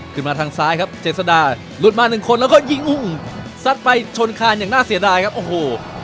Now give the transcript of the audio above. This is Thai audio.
ทางซ้ายครับเจษดาหลุดมาหนึ่งคนแล้วก็ยิงหุ้งซัดไปชนคานอย่างน่าเสียดายครับโอ้โห